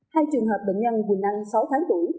hai trường hợp bệnh nhân quỳnh năng sáu tháng tuổi